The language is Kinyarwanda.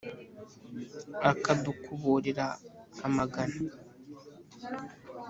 Akadukuburira amagana.